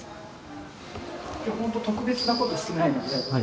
今日ほんと特別なことしないので。